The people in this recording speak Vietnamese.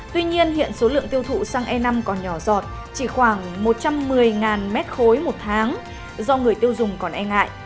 tuy nhiên hiện số lượng tiêu thụ xăng e năm còn nhỏ dọt chỉ khoảng một trăm một mươi m ba một tháng do người tiêu dùng còn e ngại